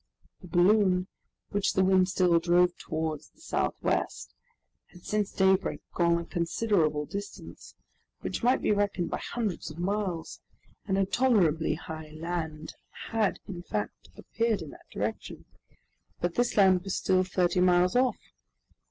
The balloon, which the wind still drove towards the southwest, had since daybreak gone a considerable distance, which might be reckoned by hundreds of miles, and a tolerably high land had, in fact, appeared in that direction. But this land was still thirty miles off.